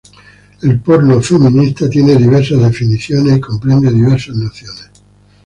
El porno feminista tiene diversas definiciones y comprende diversas nociones.